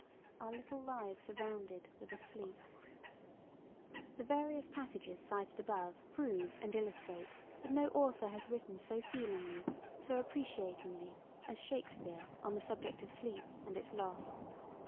"Our little lives are rounded with a sleep." The various passages cited above prove and illustrate that no author has written so feelingly, so appreciatingly, as Shakespeare on the subject of sleep and its loss.